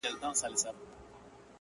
زما په شان سي څوک آواز پورته کولای٫